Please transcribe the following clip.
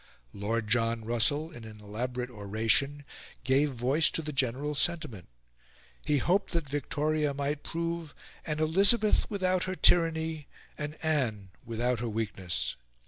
Lord John Russell, in an elaborate oration, gave voice to the general sentiment. He hoped that Victoria might prove an Elizabeth without her tyranny, an Anne without her weakness.